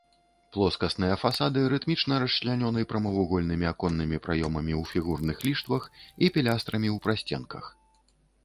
Плоскасныя фасады рытмічна расчлянёны прамавугольнымі аконнымі праёмамі ў фігурных ліштвах і пілястрамі ў прасценках.